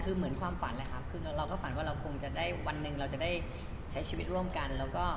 มันเหมือนความฝันแหละค่ะวันนึงจะได้ใช้ชีวิตร่วมกัน